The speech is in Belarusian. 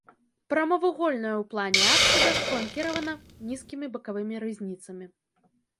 Прамавугольная ў плане апсіда фланкіравана нізкімі бакавымі рызніцамі.